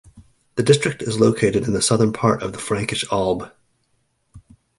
The district is located in the southern part of the Frankish Alb.